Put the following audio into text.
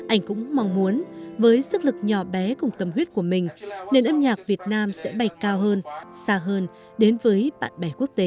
anh cũng mong muốn với sức lực nhỏ bé cùng tâm huyết của mình nền âm nhạc việt nam sẽ bay cao hơn xa hơn đến với bạn bè quốc tế